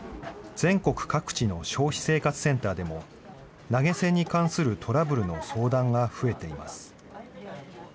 全国各地の消費生活センターでも、投げ銭に関するトラブルの相談が増えています。